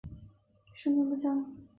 李殷衡生年不详。